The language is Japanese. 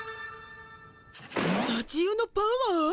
さちよのパワー？